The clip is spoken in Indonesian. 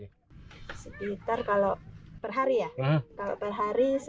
sekitar kalau per hari ya